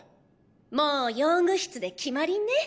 もう用具室で決まりね！